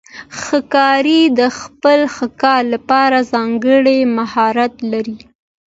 ښکاري د خپل ښکار لپاره ځانګړی مهارت لري.